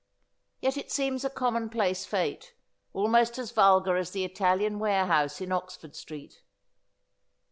Yet it seems a common place fate ; almost as vulgar as the Italian warehouse in Oxford Street.'